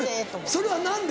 それは何で？